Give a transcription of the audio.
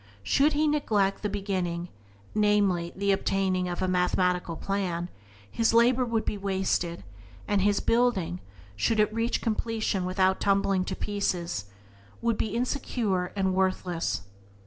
Should he neglect the beginning — namely, the obtaining of a mathematical plan — his labour would be wasted, and his building, should it reach completion without tumbling to pieces, would be insecure and worthless.